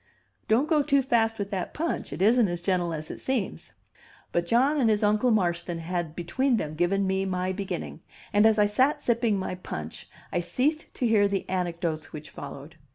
Don't go too fast with that punch; it isn't as gentle as it seems." But John and his Uncle Marston had between them given me my beginning, and, as I sat sipping my punch, I ceased to hear the anecdotes which followed.